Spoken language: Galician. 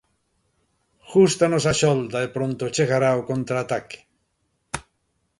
Gústanos a xolda e pronto chegará o contraataque.